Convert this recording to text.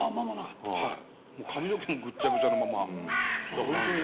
はい髪の毛もぐっちゃぐちゃのまま漫才を。